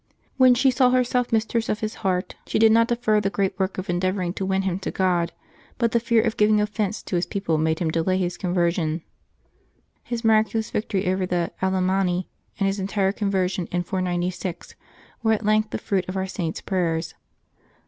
When she saw herself mistress of his heart she did. 204 LIVES OF THE SAINTS [June 4 not defer the great work of endeavoring to win bim to God, but the fear of giving offence to his people made him delay his conversion. His miraculous victory over the Alemanni, and his entire conversion in 496, were at length the fruit of our Saint's prayers.